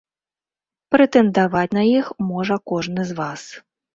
Прэтэндаваць на іх можа кожны з вас.